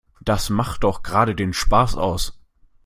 Das macht doch gerade den Spaß aus.